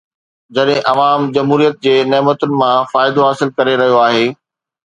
جڏهن عوام جمهوريت جي نعمتن مان فائدو حاصل ڪري رهيو آهي.